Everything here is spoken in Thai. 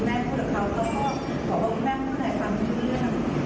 แม้พวกเขาก็บอกว่าแม่งพูดถ่ายความทุกข์เรื่อง